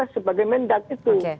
sebagai mendat itu